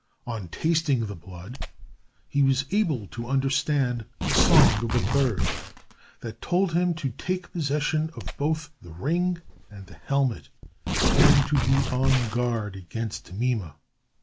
On tasting the blood, he was able to understand the song of a bird that told him to take possession of both the ring and the helmet, and to be on guard against Mime.